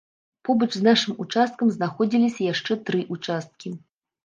Побач з нашым участкам знаходзіліся яшчэ тры ўчасткі.